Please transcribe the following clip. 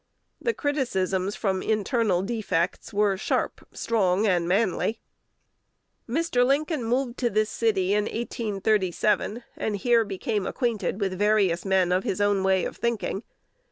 The criticisms from internal defects were sharp, strong, and manly. Mr. Lincoln moved to this city in 1837, and here became acquainted with various men of his own way of thinking.